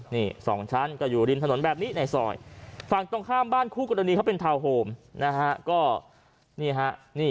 นี่สองชั้นก็อยู่ริมถนนแบบนี้ในซอยฝั่งต้องข้ามบ้านคู่กรณี